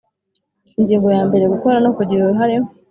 Ingingo ya mbere Gukora no kugira uruhare